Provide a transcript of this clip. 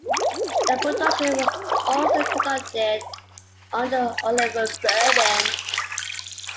The production was also conducted under Oliver Berben.